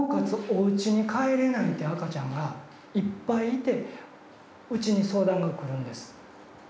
おうちに帰れないって赤ちゃんがいっぱいいてうちに相談が来るんです。